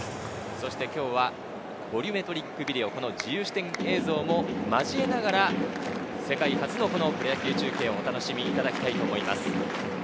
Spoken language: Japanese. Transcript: そして今日はボリュメトリックビデオ自由視点映像も交えながら、世界初のプロ野球中継をお楽しみいただきたいと思います。